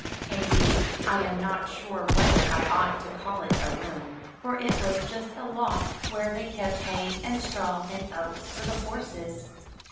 Indeed, I am not sure whether I ought to call it a room; for it was just a loft were they kept hay and straw and oats for the horses.